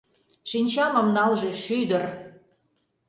Шинчамым налже шӱдыр!